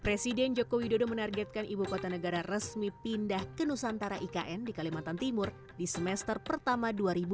presiden joko widodo menargetkan ibu kota negara resmi pindah ke nusantara ikn di kalimantan timur di semester pertama dua ribu dua puluh